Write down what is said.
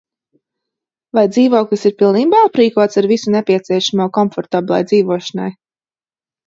Vai dzīvoklis ir pilnībā aprīkots ar visu nepieciešamo komfortablai dzīvošanai?